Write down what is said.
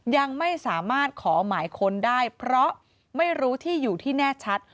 ยังไม่สามารถขอหมายค้นได้เพราะไม่รู้ที่อยู่ที่แน่ชัด